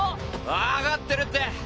分かってるって。